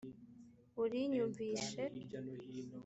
urinyumvishe?